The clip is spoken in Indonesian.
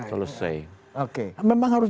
memang harus dibuka komunikasi dengan pemerintah israel